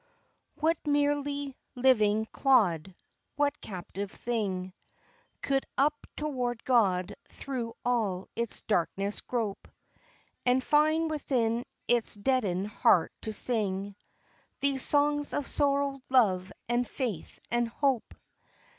What merely living clod, what captive thing, Could up toward God through all its darkness grope, And find within its deadened heart to sing These songs of sorrow, love, and faith, and hope?